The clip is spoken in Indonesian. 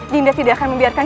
dinda tidak akan membiarkan